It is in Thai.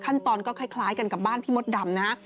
ขั้นตอนก็คล้ายกันกับบ้านพี่มดดำนะฮะ